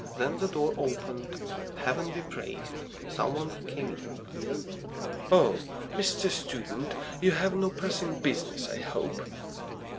Then the door opened. Heaven be praised! Some one came in. "Oh, Mr. Student, you have no pressing business, I hope?"